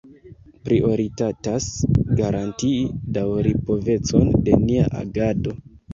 Prioritatas garantii daŭripovecon de nia agado.